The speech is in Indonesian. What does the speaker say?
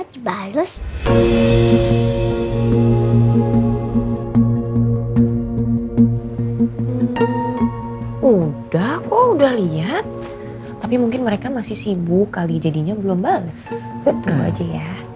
sudah oh udah lihat tapi mungkin mereka masih sibuk kali jadinya belum bales itu aja ya